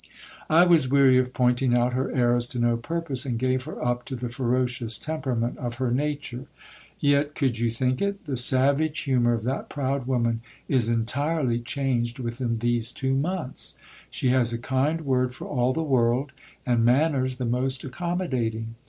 I was weary of pointing out her errors to no purpose, and gave her up to the ferocious temperament of her nature. Yet, could you think it ? the savage humour of that proud woman is entirely changed within these two months. She has a kind word for all the world, and manners the most accommodating.